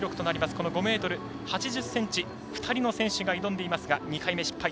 この５ｍ８０ｃｍ２人の選手が挑んでいますが２回目失敗。